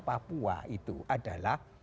papua itu adalah